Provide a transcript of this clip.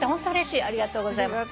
ありがとうございます。